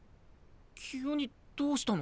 急にどうしたの？